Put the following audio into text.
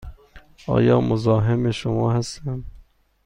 آیا مزاحم شما هستم؟